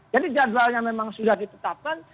jadi jadwalnya memang sudah ditetapkan